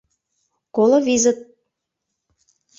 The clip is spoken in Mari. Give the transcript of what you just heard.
— Коло визыт.